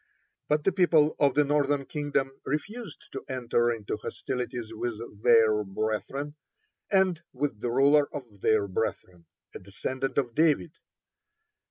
But the people of the northern kingdom refused to enter into hostilities with their brethren, and with the ruler of their brethren, a descendant of David.